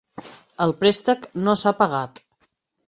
El préstec no s'ha pagat.